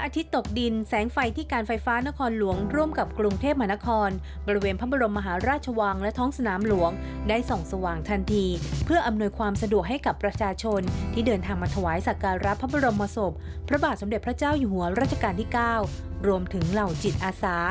ติดตามพร้อมกันจากรายงานค่ะ